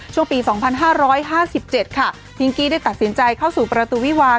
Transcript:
ช่วงปี๒๕๕๗ค่ะพิงกี้ได้ตัดสินใจเข้าสู่ประตูวิวา